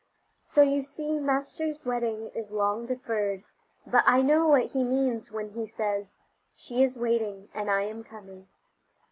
So you see Master's wedding is long deferred, but I know what he means when he says: "She is waiting and I am coming."